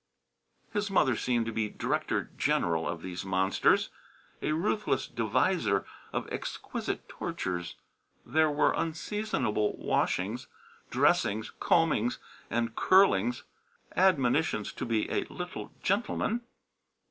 His mother seemed to be director general of these monsters, a ruthless deviser of exquisite tortures. There were unseasonable washings, dressings, combings and curlings admonitions to be "a little gentleman."